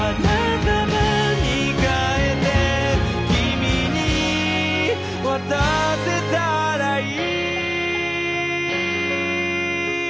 「君に渡せたらいい」